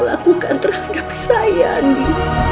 lakukan terhadap saya andi